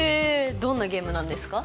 どんなゲームなんですか？